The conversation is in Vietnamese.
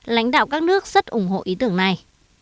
lãnh đạo các nước rất ủng hộ ý tưởng này